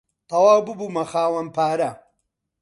تەواو ببوومە خاوەن پارە.